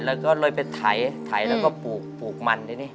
เราก็เลยไปไถไถแล้วก็ปลูกมัน